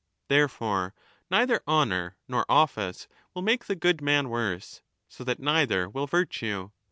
Therefore neither honour nor office will make the good 30 man worse, so that neither will virtue.